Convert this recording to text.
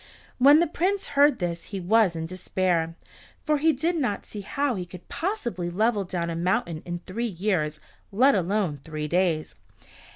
When the Prince heard this he was in despair, for he did not see how he could possibly level down a mountain in three years, let alone three days.